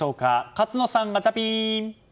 勝野さん、ガチャピン！